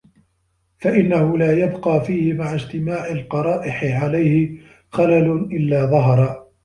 فَإِنَّهُ لَا يَبْقَى فِيهِ مَعَ اجْتِمَاعِ الْقَرَائِحِ عَلَيْهِ خَلَلٌ إلَّا ظَهَرَ